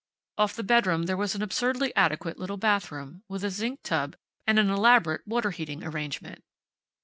Off the bedroom there was an absurdly adequate little bathroom, with a zinc tub and an elaborate water heating arrangement.